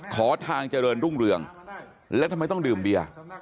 ขอทางเจริญรุ่งเรืองแล้วทำไมต้องดื่มเบียร์